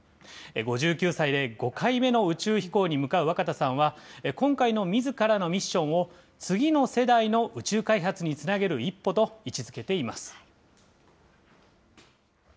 ５９歳で５回目の宇宙飛行に向かう若田さんは、今回のみずからのミッションを、次の世代の宇宙開発につなげる一歩と位置づけています。